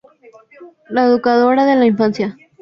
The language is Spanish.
La educadora de la infancia.